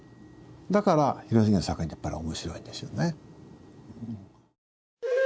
だから広重の作品ってやっぱり面白いんでしょうね。